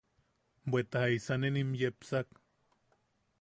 ¿Bweta jaisane nimin yepsak?